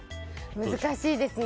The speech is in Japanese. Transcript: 難しいですね。